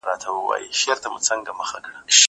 هغه وويل چي کښېناستل ضروري دي؟